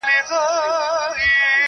یو مرګ به تدریجي وي دا به لویه فاجعه وي-